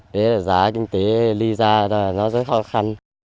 đấy là giá kinh tế ly ra nó rất khó khăn